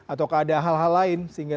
atau ada hal hal lain sehingga